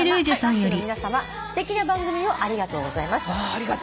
すてきな番組をありがとうございます」